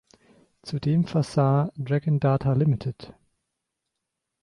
Zudem versah Dragon Data Ltd.